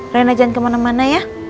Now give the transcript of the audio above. rena jangan kemana mana ya